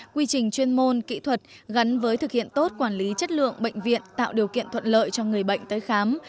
quy trình chuyên môn kỹ thuật gắn với thực hiện tốt quản lý chất lượng bệnh viện tạo điều kiện thuận lợi cho người bệnh tới khám